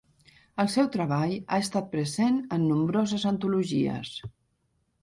El seu treball ha estat present en nombroses antologies.